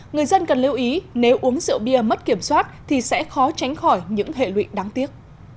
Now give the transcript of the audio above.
người dân cần lưu ý nếu uống rượu bia mất kiểm soát thì sẽ khó tránh khỏi những hệ lụy đáng tiếc